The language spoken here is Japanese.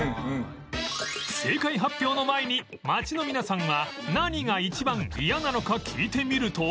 正解発表の前に街の皆さんは何が１番嫌なのか聞いてみると